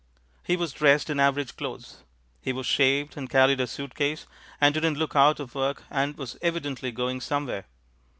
He was dressed in average clothes, he was shaved and carried a suit case and didn't look out of work and was evidently going somewhere.